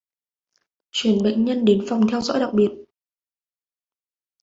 Chuyển bệnh nhân đến phòng theo dõi đặc biệt